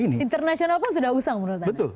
internasional pun sudah usang menurut anda